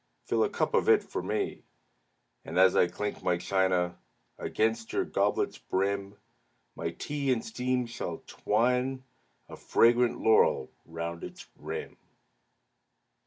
Fill a cup of it for me! And, as I clink my china Against your goblet's brim, My tea in steam shall twine a Fragrant laurel round its rim.